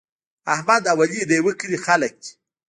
احمد او علي د یوه کلي خلک دي.